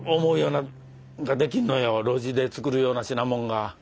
露地で作るような品物が。